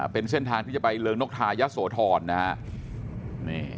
เป็นเส้นทางที่จะไปเริงนกทายะโสธรนะฮะ